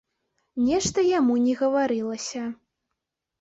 Нешта яму не гаварылася.